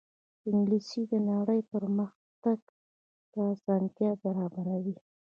انګلیسي د نړۍ پرمخ تګ ته اسانتیا برابروي